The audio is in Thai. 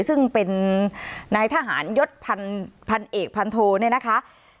ซึ่งเป็นนายทหารยศพันเอกพันโทเนี่ยนะคะ